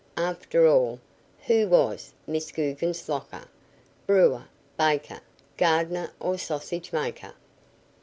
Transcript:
After all, who was Miss Guggenslocker brewer, baker, gardener or sausage maker.